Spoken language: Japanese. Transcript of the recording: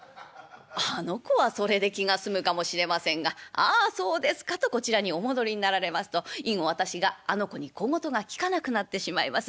あの子はそれで気が済むかもしれませんが『ああそうですか』とこちらにお戻りになられますと以後私があの子に小言がきかなくなってしまいます。